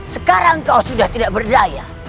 sekarang kau sudah tidak berdaya